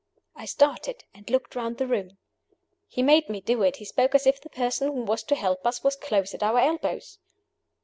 I started, and looked round the room. He made me do it he spoke as if the person who was to help us was close at our elbows.